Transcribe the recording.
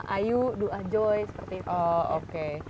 dua ayu dua joy seperti itu